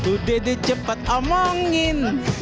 udah di cepet omongin